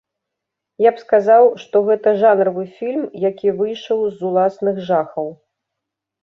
Я б сказаў, што гэта жанравы фільм, які выйшаў з уласных жахаў.